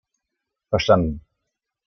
Verstanden!